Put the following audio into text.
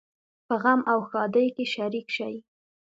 په غم او ښادۍ کې شریک شئ